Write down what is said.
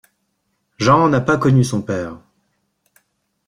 Jean n’a pas connu son père.